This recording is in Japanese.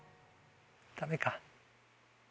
ダメか？